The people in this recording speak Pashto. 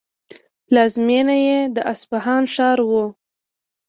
پلازمینه یې د اصفهان ښار و.